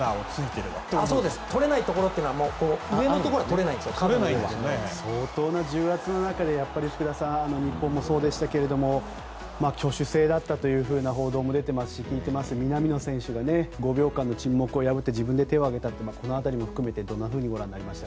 取れないところというのは相当な重圧の中で福田さん、日本もそうでしたが挙手制だったという報道も出ていますし南野選手が５秒間の沈黙を破って自分で手を挙げたってこの辺り含めてどんなふうにご覧になりました？